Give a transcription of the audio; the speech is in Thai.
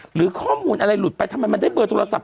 หรือข้อมูลอะไรหลุดไปทำไมมันได้เบอร์โทรศัพท์